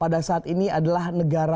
pada saat ini adalah negara